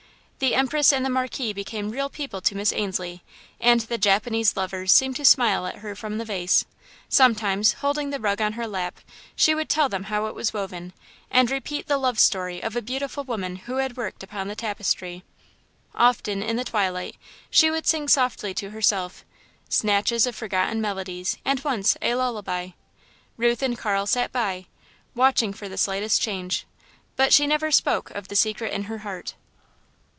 The Empress and the Marquise became real people to Miss Ainslie, and the Japanese lovers seemed to smile at her from the vase. Sometimes, holding the rug on her lap, she would tell them how it was woven, and repeat the love story of a beautiful woman who had worked upon the tapestry. Often, in the twilight, she would sing softly to herself, snatches of forgotten melodies, and, once, a lullaby. Ruth and Carl sat by, watching for the slightest change, but she never spoke of the secret in her heart.